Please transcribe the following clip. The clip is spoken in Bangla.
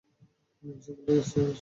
সে বলল, হে ইউসুফ!